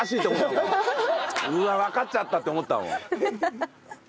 うわあわかっちゃったって思ったもん。